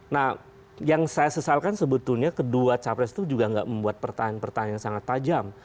nah yang saya sesalkan sebetulnya kedua capres itu juga nggak membuat pertanyaan pertanyaan sangat tajam